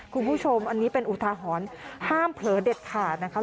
คุณผู้ชมอันนี้เป็นอุทาหรณ์ห้ามเผลอเด็ดขาดนะคะ